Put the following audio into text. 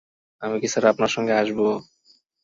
আমি কি স্যার আপনার সঙ্গে আসব?